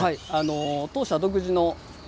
当社独自の形。